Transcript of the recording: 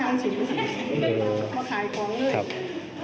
มาขายของ